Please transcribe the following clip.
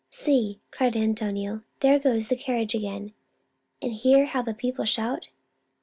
" See !" cried Antonio, " there goes the car riage again, and hear how the people shout